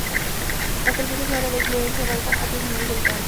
Actualmente su área de influencia abarca a tres millones de habitantes.